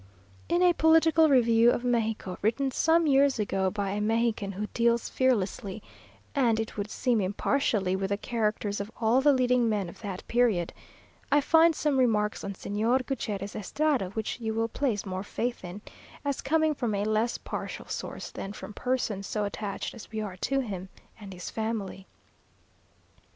In a political review of Mexico, written some years ago by a Mexican who deals fearlessly, and it would seem impartially, with the characters of all the leading men of that period, I find some remarks on Señor Gutierrez Estrada, which you will place more faith in, as coming from a less partial source than from persons so attached as we are to him and his family.